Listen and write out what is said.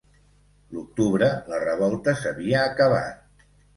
L'octubre la revolta s'havia acabat.